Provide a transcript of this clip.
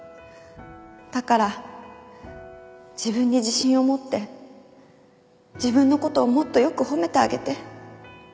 だから自分に自信を持って自分の事をもっとよく褒めてあげて。